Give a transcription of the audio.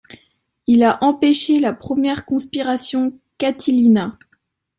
Il a empêché la première conspiration Catilina.